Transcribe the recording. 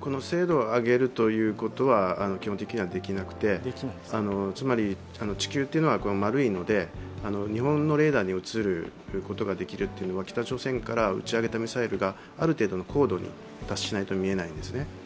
この精度を上げるということは基本的にはできなくてつまり、地球っていうのは丸いので日本のレーダーに映ることができるというのは、北朝鮮から打ち上げたミサイルがある程度の高度に達しないと見えないんですね。